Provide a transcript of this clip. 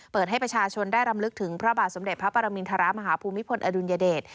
เปิดให้ประชาชนได้รำลึกถึงพระบาทสมเด็จพระปรมินทรมาฮภูมิพลอดุลยเดช